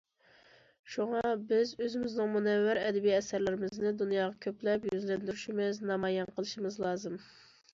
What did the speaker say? شۇڭا بىز ئۆزىمىزنىڭ مۇنەۋۋەر ئەدەبىي ئەسەرلىرىمىزنى دۇنياغا كۆپلەپ يۈزلەندۈرۈشىمىز، نامايان قىلىشىمىز لازىم.